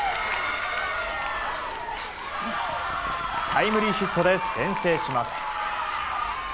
タイムリーヒットで先制します。